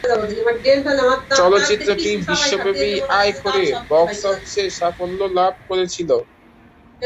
চলচ্চিত্রটি বিশ্বব্যাপী আয় করে বক্স অফিসে সাফল্য লাভ করেছিল।